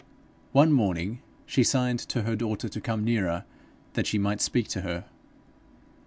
One morning she signed to her daughter to come nearer that she might speak to her.